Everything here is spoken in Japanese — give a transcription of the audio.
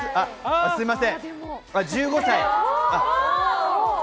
すみません、１５歳。